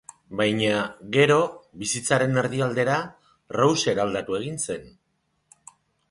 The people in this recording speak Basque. Baina, gero, bizitzaren erdialdera, Rose eraldatu egin zen.